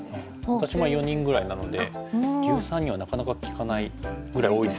私も４人ぐらいなので１３人はなかなか聞かないぐらい多いですよね。